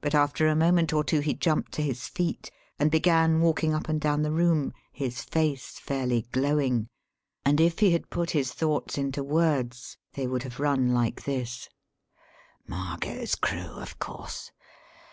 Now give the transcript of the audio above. But after a moment or two he jumped to his feet and began walking up and down the room, his face fairly glowing; and if he had put his thoughts into words they would have run like this: "Margot's crew, of course.